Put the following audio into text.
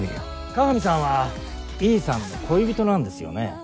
鏡さんは維井さんの恋人なんですよね？